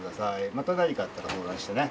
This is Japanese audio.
また何かあったら相談してね。